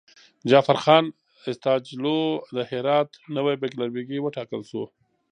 جعفرخان استاجلو د هرات نوی بیګلربيګي وټاکل شو.